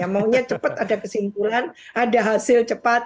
maunya cepat ada kesimpulan ada hasil cepat